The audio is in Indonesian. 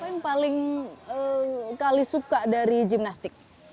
apa yang paling kali suka dari gimnastik